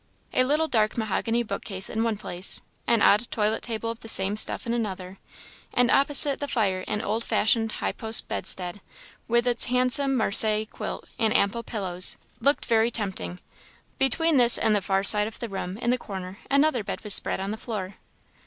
A little, dark, mahogany book case in one place an odd toilet table of the same stuff in another; and opposite the fire an old fashioned high post bedstead, with its handsome Marseilles quilt and ample pillows, looked very tempting. Between this and the far side of the room, in the corner, another bed was spread on the floor.